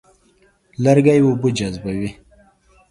لرګی اوبه جذبوي.